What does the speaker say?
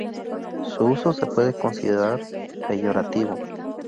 Su uso se puede considerar peyorativo.